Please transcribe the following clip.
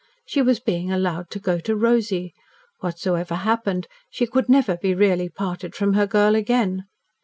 She was being allowed to go to Rosy whatsoever happened, she could never be really parted from her girl again.